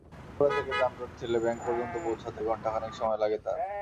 রামপুরা থেকে যানজট ঠেলে ব্যাংক পর্যন্ত পৌঁছাতে ঘণ্টা খানেক সময় লাগে তাঁর।